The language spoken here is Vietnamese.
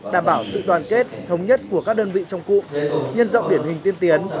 đảm bảo sự đoàn kết thống nhất của các đơn vị trong cụm nhân rộng điển hình tiên tiến